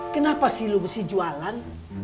kenapa sih lu besi jualan